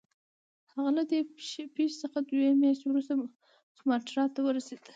هغه له دې پیښې څخه دوې میاشتې وروسته سوماټرا ته ورسېد.